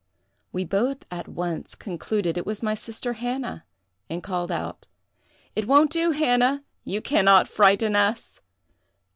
We both at once concluded it was my sister Hannah, and called out: 'It won't do, Hannah—you can not frighten us!